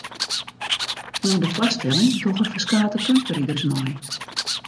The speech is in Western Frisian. Oan de foarstelling dogge ferskate keunstriders mei.